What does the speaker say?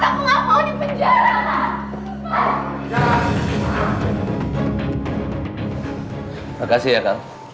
terima kasih ya kak